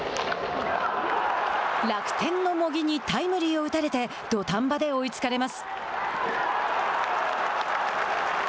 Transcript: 楽天の茂木にタイムリーを打たれて土壇場で追いつかれます。